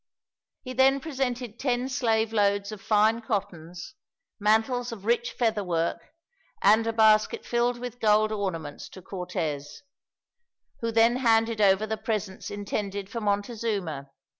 He then presented ten slave loads of fine cottons, mantles of rich feather work, and a basket filled with gold ornaments to Cortez; who then handed over the presents intended for Montezuma.